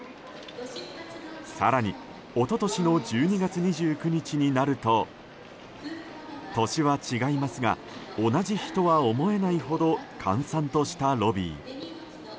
更に一昨年の１２月２９日になると年は違いますが同じ日とは思えないほど閑散としたロビー。